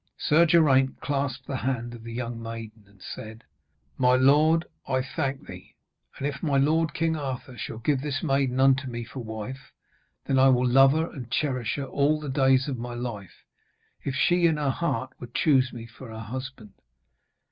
Sir Geraint clasped the hand of the young maiden, and said: 'My lord, I thank thee, and if my lord King Arthur shall give this maiden unto me for wife, then will I love her and cherish her all the days of my life, if she in her heart would choose me for her husband.'